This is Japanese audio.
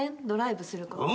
ドライブすること。